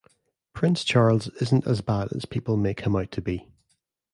Prince Charles isn't as bad as people make him out to be.